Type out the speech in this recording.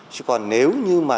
chứ còn nếu như mà